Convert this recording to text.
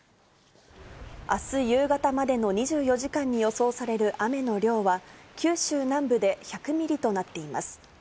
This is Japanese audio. あす夕方までの２４時間に予想される雨の量は、九州南部で１００ミリとなっています。